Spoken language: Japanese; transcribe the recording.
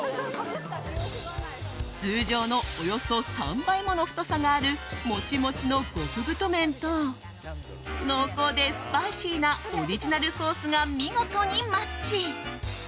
通常のおよそ３倍もの太さがあるモチモチの極太麺と濃厚でスパイシーなオリジナルソースが見事にマッチ。